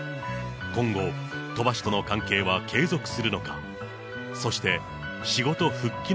今後、鳥羽氏との関係は継続するのか。